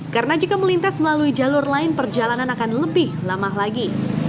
karena jika melintas melalui jalur lain perjalanan akan lebih lama lagi